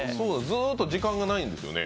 ずっと時間がないんですよね。